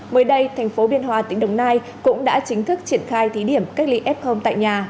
mới đây thành phố biên hòa tỉnh đồng nai cũng đã chính thức triển khai thí điểm cách ly f tại nhà